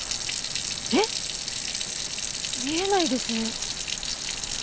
えっ⁉見えないですね。